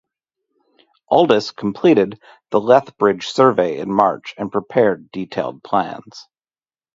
Aldous completed the Lethbridge survey in March and prepared detailed plans.